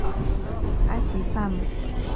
埃吉赛姆。